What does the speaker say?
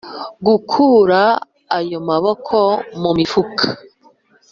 gukura ayo maboko mu mifuka,